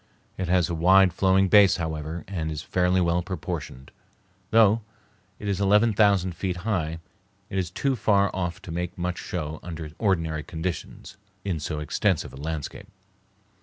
It has a wide flowing base, however, and is fairly well proportioned. Though it is eleven thousand feet high, it is too far off to make much show under ordinary conditions in so extensive a landscape.